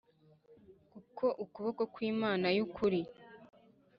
Kuko ukuboko kw imana y ukuri